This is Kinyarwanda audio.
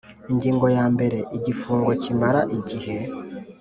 Ingingo ya mbere Igifungo kimara igihe